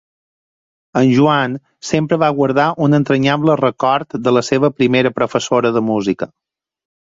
En Joan sempre va guardar un entranyable record de la seva primera professora de música.